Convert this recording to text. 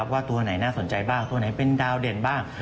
ว่าตัวไหนน่าสนใจบ้างตัวไหนเป็นดาวเด่นบ้าง